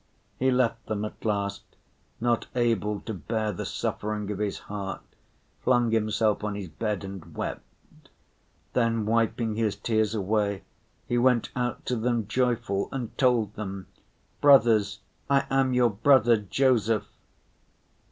He left them at last not able to bear the suffering of his heart, flung himself on his bed and wept. Then, wiping his tears away, he went out to them joyful and told them, "Brothers, I am your brother Joseph!"